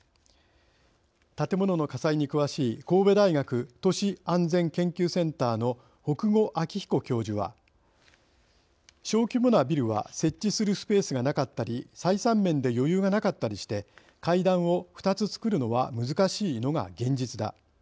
建物の火災に詳しい神戸大学都市安全研究センターの北後明彦教授は「小規模なビルは設置するスペースがなかったり採算面で余裕がなかったりして階段を２つつくるのは難しいのが現実だ。